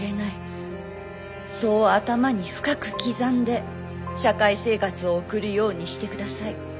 そう頭に深く刻んで社会生活を送るようにしてください。